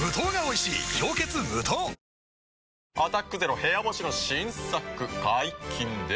あ「アタックＺＥＲＯ部屋干し」の新作解禁です。